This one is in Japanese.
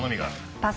パス。